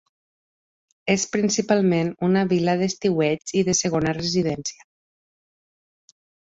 És principalment una vila d'estiueig i de segona residència.